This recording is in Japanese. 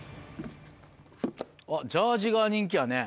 あっジャージが人気やね。